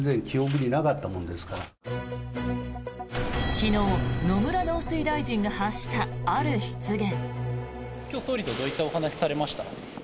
昨日、野村農水大臣が発したある失言。